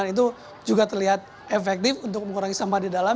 itu juga terlihat efektif untuk mengurangi sampah di dalam